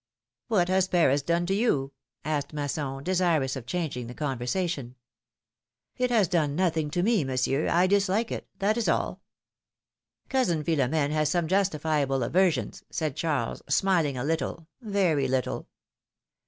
What has Paris done to you?" asked Masson, desirous of changing the conversation. ^^It has done nothing to me. Monsieur. I dislike it, that is all!" Cousin Philomene has some justifiable aversions," said Charles, smiling a little, very little.